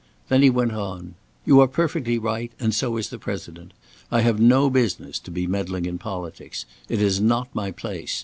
Then he went on: "You are perfectly right, and so is the President. I have no business to be meddling in politics. It is not my place.